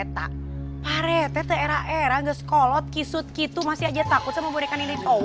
pak rete tuh era era nggak sekolot kisut kitu masih aja takut sama budek nini tawong